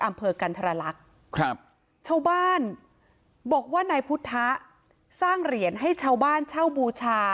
อำเภอกันทรลักษณ์ครับชาวบ้านบอกว่านายพุทธะสร้างเหรียญให้ชาวบ้านเช่าบูชา